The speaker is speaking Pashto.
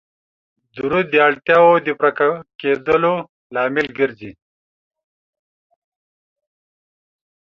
درود د اړتیاو د پوره کیدلو لامل ګرځي